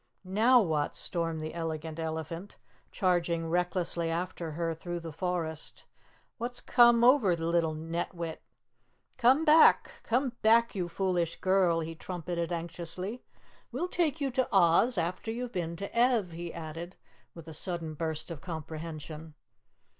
"Now what?" stormed the Elegant Elephant, charging recklessly after her through the forest. "What's come over the little netwit? Come back! Come back, you foolish girl!" he trumpeted anxiously. "We'll take you to Oz after you've been to Ev," he added with a sudden burst of comprehension.